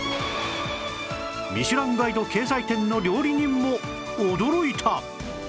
『ミシュランガイド』掲載店の料理人も驚いた！